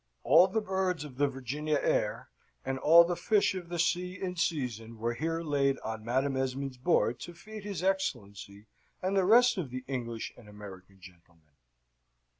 All the birds of the Virginia air, and all the fish of the sea in season were here laid on Madam Esmond's board to feed his Excellency and the rest of the English and American gentlemen.